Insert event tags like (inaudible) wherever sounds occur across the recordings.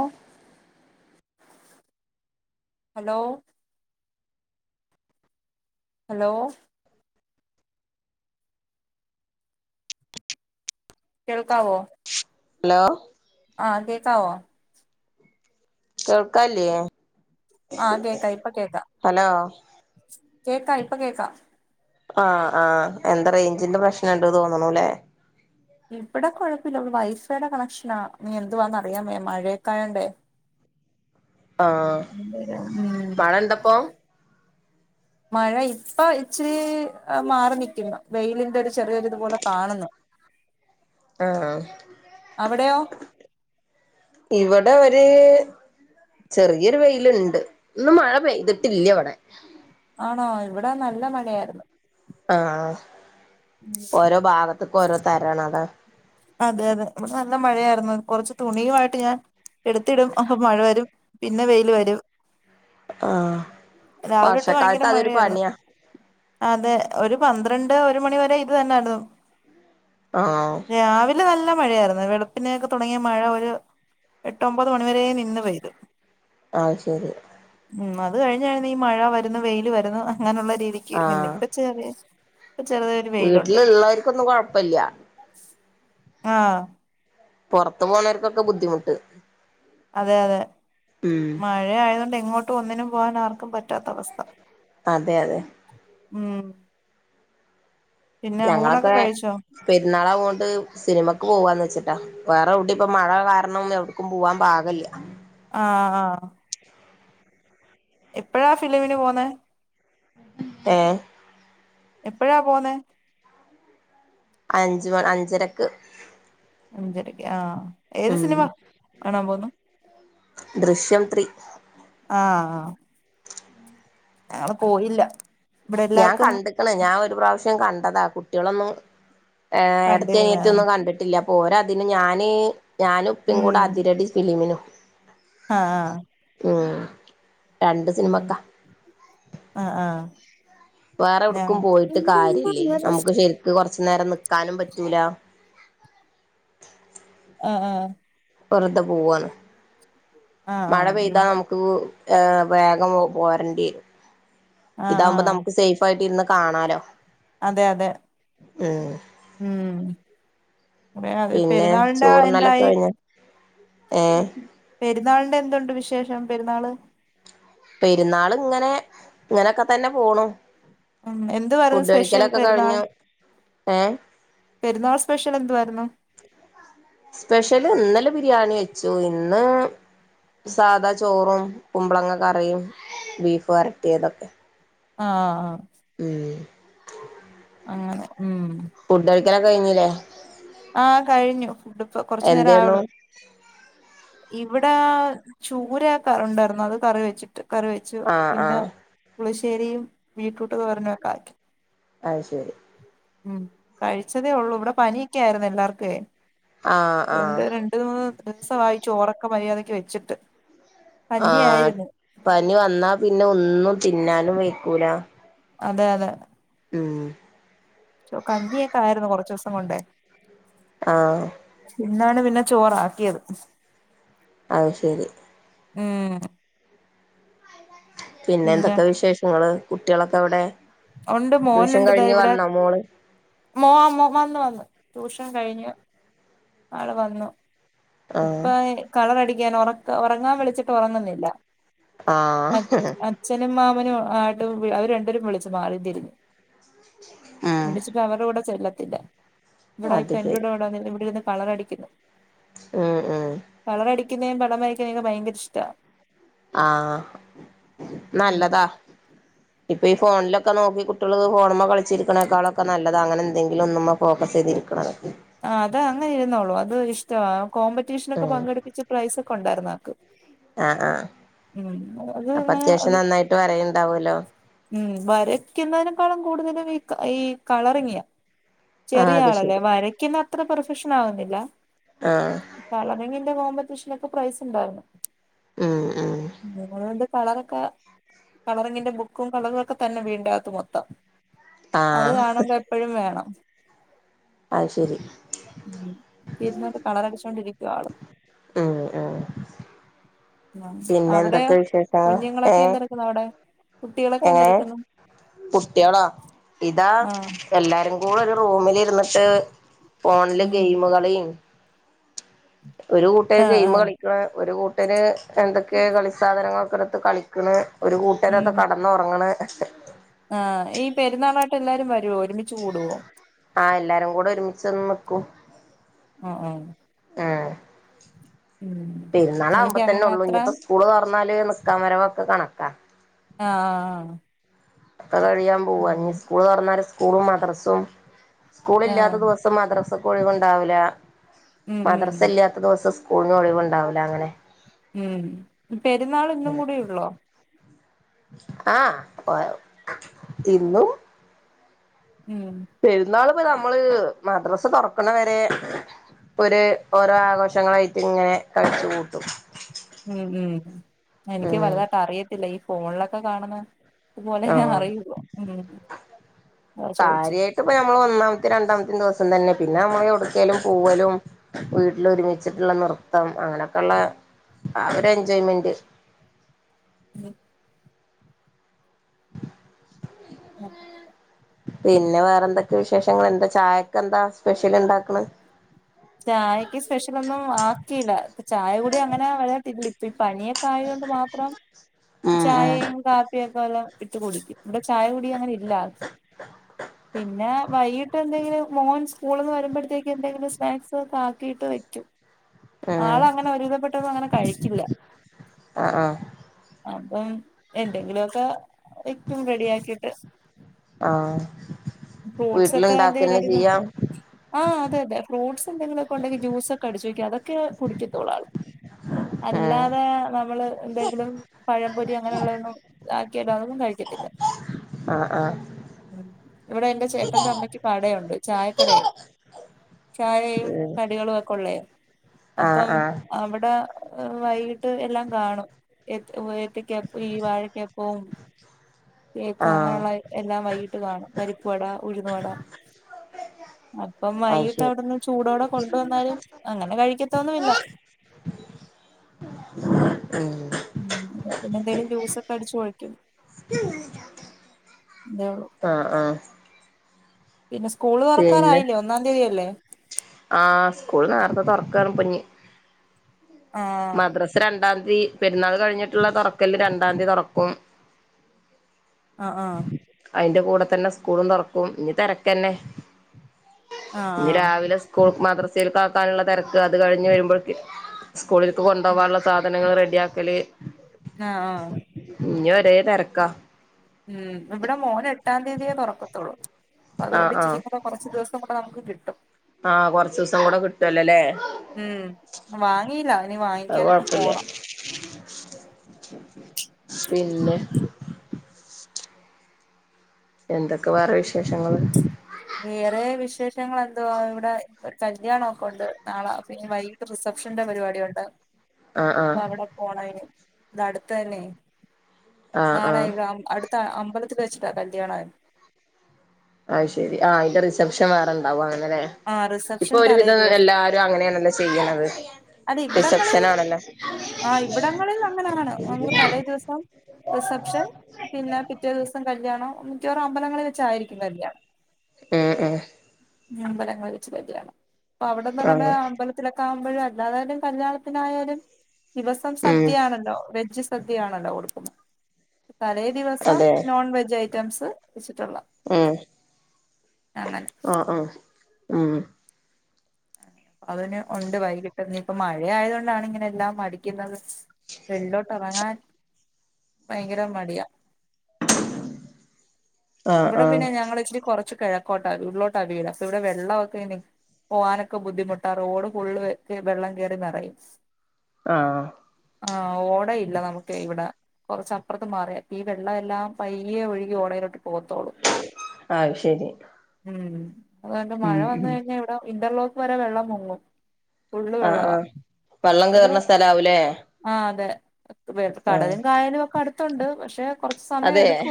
ഓ hello hello കേൾക്കാവോ hello ആ കേക്കാവോ കേൾക്കാല്ലേ ആകേക്കാ ഇപ്പൊ കേക്കാം കേക്കാ ഇപ്പൊ കേക്കാ ആ ആ എന്താ റൈഞ്ചിന്റെ പ്രശ്നണ്ട് തോന്നുനുല്ലേ ഇവിടെ കുഴപ്പല്ല വൈഫൈയുടെ കണക്ഷനാ നീ എന്തുവാന്ന അറിയാവയ്യ മഴയൊക്ക ആയോണ്ടേ ആ മഴണ്ടപ്പോ മഴ ഇപ്പ ഇച്ചിരി മാറി നിക്കുന്നു വെയിലിന്റെ ഒരു ചെറിയൊരിതുപോലെ കാണുന്നു ആ അവിടെയോ ഇവടെ വൽ തേ ചെറിയൊരു വെയില്ണ്ട് ഇന്നുമഴ പെയ്തിട്ടില്ല്യ വിടെ ആണോ ഇവിടെ നല്ല മഴയാരുന്നു ആആ ഓരോ ഭാഗത്ത്ക്ക് ഓരോ തരാണതാ അതെതെ ഇവിടെ നല്ല മഴയായിരുന്നു കുറച്ച് തുണിയായിട്ട് ഞാൻ എടുത്തിടും അപ്പൊ മഴ വരും പിന്നെ വെയില് വരും ആ രാവിലെ ഇട്ട് ഭയങ്കര മഴയായിരുന്നു അതെ ഒരു പന്ത്ര രണ്ട് ഒരു മണി വരെ ഇത് തന്നായിരുന്നു ആഹ് എ രാവിലെ നല്ല മഴയായിരുന്നു വെളുപ്പിനെയൊക്കെ തുടങ്ങിയ മഴ ഒരു എട്ടൊമ്പത് മണിവരേ നിന്ന് പെയ്തു ആഹ് ശരി ഉം അത് കഴിഞ്ഞയ്ൻ ഈ മഴ വരുന്നു വെയില് വരുന്നു അ അങ്ങനെയുള്ള രീതിക്ക് ഇന്ന് ഇപ്പം ചെറിയ ഇപ്പ ചെറുതായൊരു വെയിലുണ്ട് വീട്ടില്ള്ളർക്കൊന്നും കൊഴപ്പില്ല ആഹ പുറത്തു പോണവർക്കൊക്കെ ബുദ്ധിമുട്ട് അതെ അതെ ഉം മഴ ആയതോണ്ടേ ഇങ്ങോട്ട് ഒന്നിനും പോകാൻ ആർക്കും പറ്റ പറ്റാത്ത അവസ്ഥ അതെ അതെ ഉം പിന്നെ ഊണൊക്കെ ഞങ്ങളൊക്കെ കഴിച്ചോ പെരുന്നാളാവോണ്ട് സിനിമക്ക് പോവാന്ന് വെച്ച് വേറെ എവിടെ ഇപ്പം മഴ കാരണം എവിടേക്കും പോവാൻ പാകില്ല ആഹ ആഹ എപ്പോഴാ ഫിലിമിന് പോന്നെ ആഹ എപ്പഴാ പോന്നെ അഞ്ച് അഞ്ചരയക്ക് അഞ്ചരയക്ക് ആഹ ഉം ദൃശ്യം ത്രീ ആഹ ആഹ ഞങ്ങള് പോയില്ല ഇവിടെ ഞാൻ എല്ലാർക്കും കണ്ടിക്കണ് ഞാൻ ഒരു പ്രാവശ്യം ഉം കണ്ടതാ കുട്ടികളൊന്നും എട്ടതിയും കണ്ടിരുന്ന അനിയത്തി ഒന്നും കണ്ടിട്ടില്ല പോരാ അതിന് ഞാന് ഞാനുപ്പിം കൂടെ അതിരടി ഫിലിമിനു ആ ആ രണ്ട് ഉം സിനിമക്കാ ആ ആ വേറെ എവിടക്കും പോയിട്ട് കാര്യല്ലേ നമുക്ക് ശറിക്ക് കൊറച്ചു നേരം നിക്ക- ക്കാനും പറ്റൂല മ് മ് വെറുതെ പോവാന്ന് മഴ ആഹ് ആഹ് പെയ്താ നമുക്ക് വേഗം പോരണ്ടിരും ആഹ് ഇതാവുമ്പോ ആഹ് നമുക്ക് സേഫ് ആയിട്ട് ഇരുന്ന് കാണാലോ അതെ അതെ മ് മ് അതെ അതെ പിന്നെ പെരുന്നാളിന്റെ എന്തായി ഏ പെരുന്നാളിന്റെ എന്തുണ്ട് വിശേഷം പെരുന്നാള് പെരുന്നാൾ ഇങ്ങനെ ഇങ്ങനൊക്കെ തന്നെ പോണു മ് എന്തുവാരുന്നു ഫുഡ് സ്പെഷ്യൽ കഴിക്കലൊക്കെ പെരുന്നാൾ കഴിഞ്ഞു ഏഹ് പെരുന്നാൾ സ്പെഷ്യൽ എന്തുവാരുന്നു സ്പെഷ്യല് ഇന്നലെ ബിരിയാണി വെച്ചു ഇന്ന് സാദാ ചോറും കുമ്പളങ്ങ കറിയും ബീഫ് വരട്ടിയതൊക്കെ ആ ആ ഉം അങ്ങനെ ഉം ഫുഡ് അടിക്കലൊക്കെ കഴിഞ്ഞില്ലേ ആ കഴിഞ്ഞു ഫുഡ് ഇപ്പൊ കൊറച്ചു നേരം എന്തേന്നു ആയുള്ളു ഇവിടെ ചൂര ക ഉണ്ടായിരുന്നു അത് കറി വെച്ചു കറി വെച്ചു ആഹ് പിന്നെ ആഹ് പുളിശേരിയും ബീറ്റ്റൂട്ട്തോരനുമൊക്കെ ആക്കി അയ് ശരി ഉം കഴിച്ചതേ ഉള്ളൂ ഇവിടെ പനിയൊക്കെ ആയിരുന്നു എല്ലാർക്കുവേ ആഹ് അതുകൊണ്ട്‌ ആഹ് രണ്ട് ദിവസം ആയി ചോറൊക്കെ മര്യാദക്ക് വെച്ചിട്ട് ആ കഞ്ഞിയായിരുന്നു പനി വന്നാ പിന്നെ ഒന്നും തിന്നാനും വയ്യ കൂല അതെ അതെ മ് ണ്ടെ ആ ഇന്നാണ് പിന്നെ ചോറാക്കിയത് അത് ശരി ഉം പിന്നെ എന്തൊക്കെ വിശേഷങ്ങള് കുട്ടികളൊക്കെ ഇവിടെ ഉണ്ട് മോനുണ്ട് ഇതാ ഇവിടെ മോ മോ വന്ന് വന്ന് ട്യൂഷൻ കഴിഞ്ഞ് ആള് വന്നു ഇപ്പ ആഹ് കളറടി (unintelligible) ഉറങ്ങാൻ വിളിച്ചിട്ട് ഉറങ്ങുന്നില്ല ആ അവർ രണ്ടു പേരും വിളിച്ചു മാളതിരുന്നു (unintelligible) ഉം വിളിച്ചപ്പം അവരു കൂടെ ചെല്ല ഇല്ല ഇവിടെ അത് ശരി ഫവിടെ ഇവിടെ (unintelligible) (unintelligible) കളറടിക്കുന്നു ഉം ഉം (unintelligible) പടം വരുന്ന ഭയങ്കര ഇഷ്ടമാണ് ആ ഉം നല്ലതാ ഇപ്പൊ ഈ ഫോണിലൊക്കെ നോക്കി കുട്ടികൾ ഫോണുമ്മേൽ കളിച്ചിരിക്കുന്നേക്കാളൊക്കെ നല്ലതാ അങ്ങനെന്തെങ്കിലും ഒന്ന് ഫോക്കസ് ചെയ്തിരിക്കണത്. ആ അതേ അങ്ങനെ ഇരുന്നോള്ളൂ അത് ഇഷ്ടവാ. കോമ്പറ്റീഷന് ഒക്കെ ഉം പങ്കെടുപ്പിച്ച പ്രൈസ് ഒക്കെ ഉണ്ടായിരുന്ന- ആഹ് ആഹ് ഉ അപ്പൊ അതങ്ങനെ അത്യാവശ്യം നന്നായിട്ട് വരയുണ്ടാവുമല്ലോ ഉം വരക്കുന്നതിനേക്കാളും കൂടുതലും- ഈ കളറങ്ങിയാ ആഹ് ചെറിയ അത് ആളല്ലേ ശരി വര- അത്ര പെർഫെക്ഷൻ ആവുന്നില്ല ആഹ് കളറിംഗ്- കോമ്പറ്റീഷന് ഒക്കെ പ്രൈസ് ഉണ്ടായിരുന്നു. ഉം ഉം അതുകൊണ്ട് കളറൊക്കെ കളറിങ്ങിന്റെ ബുക്കും കളറുമൊക്കെ തന്നെ വീടിനകത്ത് മൊത്തം അത് ആഹ് കാണുമ്പോ എപ്പോഴും വേണം അത് ശരി ഉം തീരുന്നോണ്ട് കളർടിച്ചോണ്ടിരിക്ക- ചള (unintelligible) ഉം ഉം ഉം പിന്നെ അവിടെയോ എന്തൊക്കെ വിശേഷങ്ങള് കുഞ്ഞുങ്ങളൊക്കെ ഏഹ് എന്തെടുക്കുന്നു അവിടെ കുട്ടികളൊക്കെ എങ്ങനെ? എന്തെടുക്കുന്നു കുട്ടികളോ ഇതാ ആഹ് എല്ലാരും കൂടെ ഒരു- റൂമില് ഇരുന്നിട്ട്- ഫോണില് ഉം ഗെയിമ് കളീം- ഒരു കൂട്ടര് ആഹ് ഗെയിമ് ആഹ് കളിക്ക്‌ണ് ഒരു കൂട്ടര് - അവര് എന്തൊക്കെയോ കളി സാധനങ്ങളൊക്കെ എടുത്ത് കളിക്കണ്- ഒരു കൂട്ടരതാ ഉം കെടന്ന് ഉറങ്ങണ് ഹിഹി ആഹ് ഈ പെരുന്നാളായിട്ട് എല്ലാരും വരുവോ ഒരുമിച്ച് കൂടുവോ? ആഹ് എല്ലാരും കൂടെ ഒരുമിച്ച് വന്ന് നിക്കും ആ ആഹ് ആഹ് ഉം എനിക്ക് പെരുന്നാളാവുമ്പ തന്നെ അങ്ങനെ ഉള്ളൂ അത്ര ഇനിപ്പോ സ്കൂള് തൊറന്നാല് നിക്കാൻ വരവൊക്കെ കണ- (unintelligible) ആ ആഹ് ആഹ് അത് കഴിയാൻ പോകുവാ ഇനി സ്കൂള് തൊറന്നാല് - സ്കൂളും മദ്രസും സ്കൂൾ ഇല്ലാത്ത ആഹ് ദിവസം മദ്രസ ഒഴിവ്ണ്ടാകൂല ഉം മദസ ഇല്ലാത്ത ദിവസം സ് സ്‌കൂളിന് ഒളിവുണ്ടാവൂല അങ്ങനെ മ് പെരുന്നാളിന്നും കൂടേ ഉള്ളോ ആഹ് ഒ ഇന്നും മ് (unintelligible) നമ്മള് മദ്രസ തുറക്കണ വരെ ഒരു ഓരോ ആഘോഷങ്ങളായിട്ട് ഇങ്ങനെ കഴിച്ച് കൂട്ടും മ് ഹ് മ് എനിക്ക് ഉം വല്തായിട്ട് അറിയത്തില്ല ഈ ഫോണിലൊക്കെ കാണുന്ന പോലെ ആഹ് അറിയുള്ളൂ ഉം അതാ ചോദിച്ചേ കാര്യായിട്ട് ഇപ്പ ഞമ്മള് ഒന്നാ മത്തേ രണ്ടാമത്തേ ദിവസം തന്നെ പിന്നെ നമ്മള് എവുടുക്കേലും പോവലും വീട്ടില് ഒരുമിച്ചിട്ടുള്ള നൃത്തം അങ്ങനെയൊക്കെയുള്ള ആ ഒരു എൻജോയ്മെന്റ് (unintelligible) (unintelligible) പിന്നെ വേറെന്തൊക്കെ വിശേഷങ്ങള് എന്താ ചായക്കെന്താ എന്താ സ്പെഷ്യൽ ഇണ്ടാക്കണ് ചായക്ക് സ്പെഷ്യലൊന്നും ആക്കിയില്ല ചായ കൂടി അങ്ങനെ വഴ (unintelligible) (unintelligible) പണിയൊക്കെ ആയത് കൊണ്ട് മാത്രം ഉം ഉം ചായയും കാപ്പിയൊക്കെ വല്ലോം ഇട്ട് കുടിക്കും ഇവിടെ ചായ കുടി അങ്ങനെ ഇല്ല ആർക്കും പിന്നെ വൈകിട്ട് എന്തെങ്കിലും മോൻ സ്കൂളിൽ നിന്ന് വരുമ്പോഴത്തേക്ക് എന്തെങ്കിലും സ്നാക്സ് കൊക്കെ ആക്കീട്ട് വെക്കും ഉം ആളങ്ങനെ ഒരുവിധപെട്ടതൊന്നും അങ്ങനെ കഴിക്കില്ല ആഹ് ആഹ് അപ്പം എന്തെങ്കിലൊക്ക ഏറ്റും റെഡിയാക്കിട്ട് ആഹ് ഫ്രൂട്ട്സെക്കഎന്തേ വീട്ടിലുണ്ടാക്കന്നെ കഴിക്കാണ്ടിരുന്ന ചെയ്യാം ആ അതെ വേറെ ഫ്രൂട്ട്സ് എന്തെങ്കിലൊക്കെ ഒണ്ടെങ്കി ജ്യൂസെക്ക അടിച്ചു വെക്ക അതൊക്കെ കുടിക്കത്തൊള്ളാള് ഉം അല്ലാതെ നമ്മള് എന്തെങ്കിലും പഴംപൊരി അങ്ങനൊള്ളന്നും ആക്കിയതാ അതൊന്നും കഴിക്കത്തില്ല ആഹ് ആഹ് ഇവിടെ എന്റെ ചേട്ടന്റെ അമ്മയ്ക്ക് കടയുണ്ട് ചായക്കടേ ചായയും ഉം കടികളും ഒക്കെ ഉള്ളേ ആഹ് അപ്പം ആഹ് അവിടെ അ വൈകിട്ട് എല്ലാം കാണും എത്തി കേ ഈ വാഴക്കപ്പവും കേക്ക് ആഹ് അങ്ങനൊള്ള എ എല്ലാം വൈകിട്ട് കാണും വട ഉഴുന്നുവട അ അപ്പം അത് വൈകീട്ട് ശരി അവിടുന്ന് ചൂടോടെ കൊണ്ട് വന്നാലും അങ്ങനെ കഴിക്കത്തൊന്നുല്ല (unintelligible) (inaudible) പിന്നെ എന്തേലും ജൂസൊക്കെ അടിച്ചു ഒഴിയ്ക്കും (unintelligible) ആ ആ പിന്നെ സ്കൂള് പിന്നെ തുറക്കാറായില്ലേ ഒന്നാം തീയതിയല്ലേ ആ സ്കൂള് നേരത്തെ തൊറക്കാണ്പ്പിഞ്ഞി ആഹ് മദ്രാസ രണ്ടാം തീ പെരുന്നാള് കഴിഞ്ഞിട്ടുള്ള തൊറക്കൽന് രണ്ടാം തീ തൊറക്കും അ ആ അയിന്റെ കൂടെ തന്നെ സ്കൂളും തൊറക്കും ഇനി തെരക്കെന്നെ. ആഹ് ഇന്ന്‌ രാവിലെ സ്‌ കൂൾ മദ്രസേൽകാക്കാനുള്ള തെരക്ക് അത് കഴിഞ്ഞ് വരുമ്പൾക്ക് സ് കൂളിൽക്ക് കൊണ്ടോവാനുള്ള സാധനങ്ങൾ റെ ഡിയാക്കല് ആ ആ ദേ തെരക്കാ ഉം ഇവിടെ മോന് എട്ടാം തീയതിയേ തൊറക്കത്തുള്ളൂ ആഹ് അതുകൊണ്ട് ഇച്ചിരേക്ക കൊറച്ച്ദിവസം (unintelligible) നമുക്കു കിട്ടും ആ കൊറച്ചിവസം കൂടെ കിട്ടുവല്ലോല്ലേ ഉം വാങ്ങിയില്ല ഇനി അത് വാങ്ങിക്കാനൊക്കെ കൊഴപ്പില്ല പോണം പിന്നെ എന്തൊക്കെ വേറെ വിശേഷങ്ങള് വേറെ വിശേഷങ്ങള് എന്തുവാ ഇവിടെ കല്യാണോക്ക ഒണ്ട് നാള പിന്നെ വൈകിട്ട് റിസപ്ഷന്റെ പരിപാടിയൊണ്ട് ആഹ് അപ്പൊ ആഹ് അവിടെ പോണയിന് ഇത് അടുത്തന്നെ ആഹ് നാളെ ആഹ് ഇവിടെ അം അട് ത്ത അമ്പലത്തിൽ വെച്ചിട്ടാ കല്യാണായത് അഹ് ശെരി ആ അതിന്റെ റിസെപ്ഷൻ വേറുണ്ടാവും അ ന്നലെ ആഹ് ഇപ്പൊ റിസപ്ഷൻ തലേ ഒരുവിധം ദിവസം എല്ലാരും അങ്ങനെയണേല്ലോ ചെ ചെയ്യ്ണത് അത് ഇവിടങ്ങളിൽ ആ ഇവിടങ്ങളിൽ അങ്ങനെയാണ് നമ്മൾ തലേ ദിവസം റിസപ്ഷൻ പിന്നെ പിറ്റേ ദിവസം കല്യാണം മിക്കവാറും അമ്പലങ്ങളിൽ വെച്ചായിരിക്കും കല്യാണം ഉം ഉം അമ്പലങ്ങളിൽ വെച്ച് കല്യാണം അപ്പൊ അവിടെന്ന് തന്നെ ആഹ് അമ്പലത്തിലെക്കാം മ്പയാ എന്തായാലും കല്യാണത്തിനായാലും ദിവസം ഉം സദ്യയാണല്ലോ വെജ് സ സദ്യയാണല്ലോ കൊടുക്കുന്നത് തലേ ദിവസം അതെ നോൺ വെജ് ഐ റ്റംസ് വെച്ചിട്ടുള്ള അങ്ങനെ ആ ആഹ് ഉം അതിന് ഉണ്ട് വൈകിട്ട് ഇന്നിപ്പം മഴ ആയത് കൊണ്ടാണ് ഇങ്ങനെ എല്ലാം മടിക്കുന്നത് വെളി ള്ളോട്ട് എറങ്ങാൻ ഭയങ്കര മടിയ ആഹ് ഇവിടെ ആഹ് പിന്നെ ഞങ്ങൾ ഇച്ചിരി കൊറച്ച് കിഴക്കോട്ടാ ഉള്ളിലോട്ടാ വീട് അപ്പൊ ഇവിടെ വെള്ളൊക്കെ ഇനി പോവാനൊക്കെ ബുദ്ധിമുട്ടാ റോഡ് ഫുള്ള് വെള്ളം കേറി നെറയും ആഹ് ആ ഓടയില്ല നമുക്ക് ഇവിടെ കൊറച്ചപ്പറത്ത് മാറിയ അപ്പൊ ഈ വെള്ളം എല്ലാം പയ്യെ ഒഴുകി ഓടയിലോട്ട് പോകത്തൊള്ളൂ അത് ശരി ഉം അതുകൊണ്ട് ഉം മഴ വന്നു ഉം കഴിഞ്ഞാ ഇവിടം ഇന്റർലോക്ക് വരെ വെള്ളം മുങ്ങും ഫുള്ള് ആഹ് വെള്ളവാ ആഹ് വള്ളം കേറുന്ന സ്ഥലാവുല്ലേ (inaudible) വെ കടലും കായലും ഒക്കെ അടു ക്കണ്ട് പക്ഷെ കൊറച്ച് സമയം അതെ എടുക്കു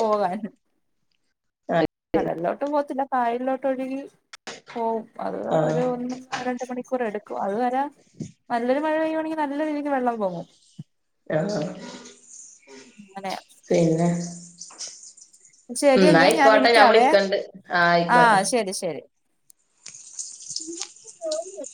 പോകാൻ ആഹ് കടല്ലോട്ടും പോകത്തില്ല കായലൊട്ടൊഴുകി പോവും അത് ആഹ് ഒരു ഒന്ന് ഒന്ന് രണ്ട് മണിക്കൂർ എടുക്കും അത് വരെ നല്ല മഴ പെയ്യുവാണെങ്കി നല്ലരീതിക്ക് വെള്ളം പൊങ്ങും. ആഹ് അങ്ങനെ പിന്നെ (inaudible) ശരിയെങ്കി ഞാൻ ഉംന്നായിക്കോട്ടെ വിളിക്കാവേ ഞാവിളിക്കെണ്ട് ആഹ് ആയിക്കോട്ടെ ഉമ്മാക്ക് ജോലിയെ